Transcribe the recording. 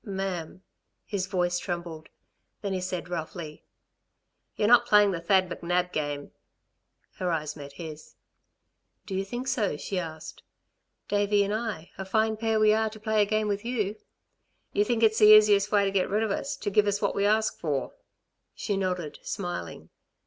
"Ma'am " his voice trembled. Then he said roughly: "You're not playing the Thad McNab game?" Her eyes met his. "Do you think so?" she asked. "Davey and I, a fine pair we are to play a game with you." "You think it's the easiest way to get rid of us to give us what we ask for?" She nodded, smiling.